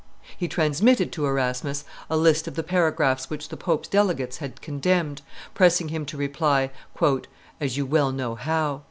He transmitted to Erasmus a list of the paragraphs which the pope's delegates had condemned, pressing him to reply, "as you well know how.